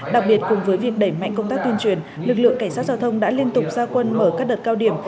đặc biệt cùng với việc đẩy mạnh công tác tuyên truyền lực lượng cảnh sát giao thông đã liên tục gia quân mở các đợt cao điểm